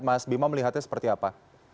mas bima melihatnya seperti apa